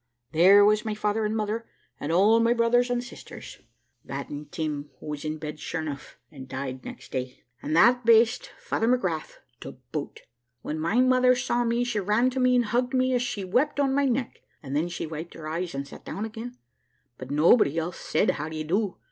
There was my father and mother, and all my brothers and sisters (bating Tim, who was in bed sure enough, and died next day), and that baste, Father McGrath, to boot. When my mother saw me she ran to me and hugged me as she wept on my neck, and then she wiped her eyes and sat down again; but nobody else said, `How d'ye do?'